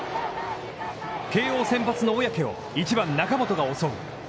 慶応、先発の小宅を１番、中本が襲う。